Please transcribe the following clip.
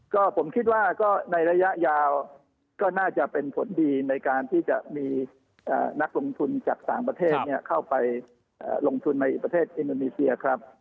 ก็ผมคิดว่าก็ในระยะยาวก็น่าจะเป็นผลดีในการที่จะมีนักลงทุนจากต่างประเทศเข้าไปลงทุนในประเทศอินโดนีเซียครับ